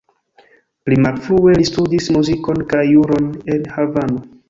Pli malfrue li studis muzikon kaj juron en Havano.